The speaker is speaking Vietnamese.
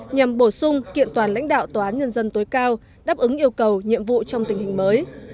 nhằm bổ sung kiện toàn lãnh đạo tòa án nhân dân tối cao đáp ứng yêu cầu nhiệm vụ trong tình hình mới